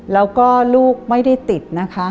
แล้วก็ลูกไม่ได้ติดนะคะ